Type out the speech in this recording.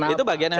itu bagian yang